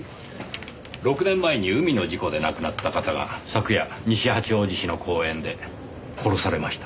６年前に海の事故で亡くなった方が昨夜西八王子市の公園で殺されました。